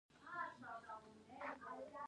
ماشومانو د کار کولو توان نه درلود.